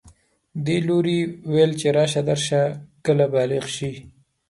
دې لوري ویل چې راشه درشه کله بالغ شي